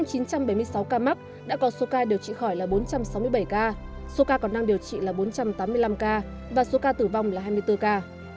trong chín trăm bảy mươi sáu ca mắc đã có số ca điều trị khỏi là bốn trăm sáu mươi bảy ca số ca còn đang điều trị là bốn trăm tám mươi năm ca và số ca tử vong là hai mươi bốn ca